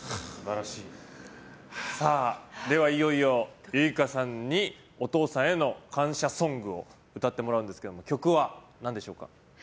さあ、ではいよいよ結奏さんにお父さんへの感謝ソングを歌ってもらうんですが曲はなんでしょうか。